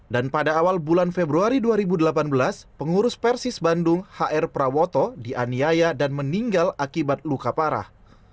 dan pada awal bulan februari dua ribu delapan belas pengurus persis bandung hr prawoto dianiaya dan meninggal akibat luka parah